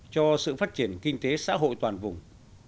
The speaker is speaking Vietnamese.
cho sự phát triển kinh tế xã hội toàn vùng